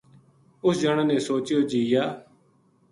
اُس جنا نے سوچیو جی یاہ